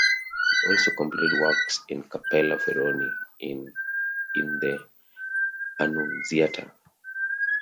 He also completed works in Cappella Feroni in the Annunziata.